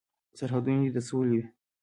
سرحدونه دې د سولې وي.